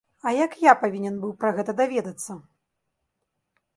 А як я павінен быў пра гэта даведацца?